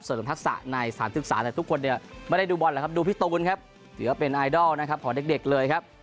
ส่วนภาษาในสถานศึกษาทุกคนเนี่ยไม่ได้ดูบอลหรอกครับดูพี่ตูนครับเดี๋ยวเป็นไอดอลของเด็กเลยครับ